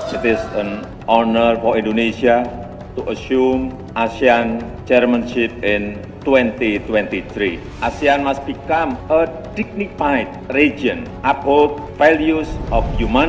kepala pertama pertama pertama